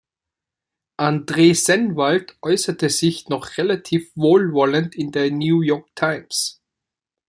Andre Sennwald äußerte sich noch relativ wohlwollend in der "New York Times".